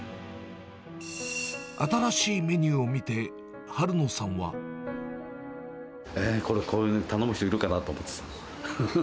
新しいメニューを見て、春野さんは。これ、頼む人いるかなと思ってさ。